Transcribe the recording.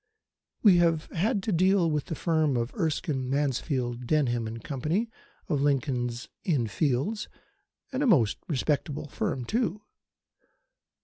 We have had to deal with the firm of Erskine, Mansfield, Denham & Co., of Lincoln's Inn Fields: and a most respectable firm too.